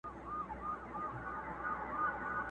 شیخه په خلکو به دې زر ځله ریا ووینم!